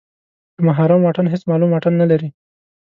محرم واټن هېڅ معلوم واټن نلري.